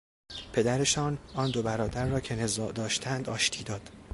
پدرشان آن دو برادر را که نزاع داشتند آشتی داد.